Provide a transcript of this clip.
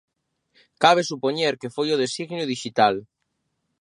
Cabe supoñer que foi un designio dixital.